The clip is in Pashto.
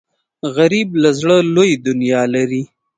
غریب له زړه لوی دنیا لري